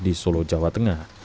di solo jawa tengah